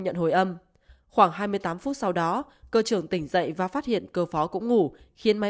nhận hồi âm khoảng hai mươi tám phút sau đó cơ trưởng tỉnh dậy và phát hiện cơ phó cũng ngủ khiến máy